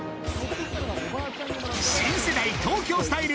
新世代東京スタイル